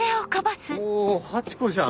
おハチ子じゃん。